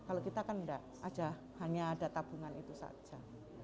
kalau kita kan enggak hanya ada tabungan itu saja